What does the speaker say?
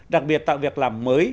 đặc biệt tạo việc làm mới